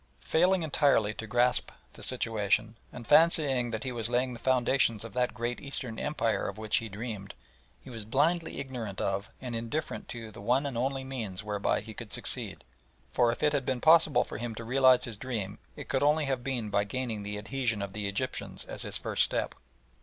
Failing entirely to grasp the position, and fancying that he was laying the foundations of that great Eastern Empire of which he dreamed, he was blindly ignorant of and indifferent to the one and only means whereby he could succeed, for if it had been possible for him to realise his dream it could only have been by gaining the adhesion of the Egyptians as his first step.